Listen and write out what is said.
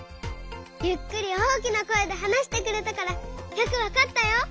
ゆっくり大きなこえではなしてくれたからよくわかったよ。